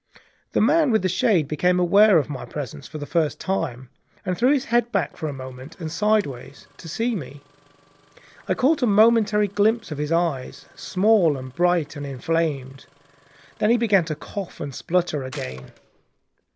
The man with the shade became aware of my presence for the first time, and threw his head back for a moment, and sidewise, to see me. I caught a momentary glimpse of his eyes, small and bright and inflamed. Then he began to cough and splutter again.